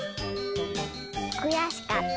くやしかった。